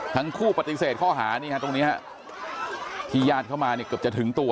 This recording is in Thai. ทั้งคู่ปฏิเสธข้อหานี่ฮะตรงนี้ฮะที่ญาติเข้ามาเนี่ยเกือบจะถึงตัว